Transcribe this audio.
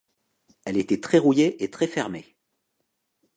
Elle était très rouillée et très fermée.